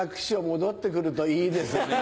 戻って来るといいですね。